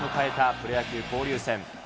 プロ野球交流戦。